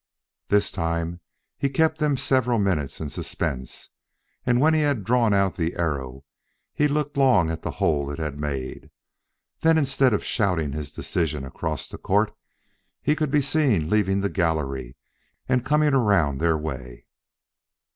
This time he kept them several minutes in suspense, and when he had drawn out the arrow, he looked long at the hole it had made. Then, instead of shouting his decision across the court, he could be seen leaving the gallery and coming around their way.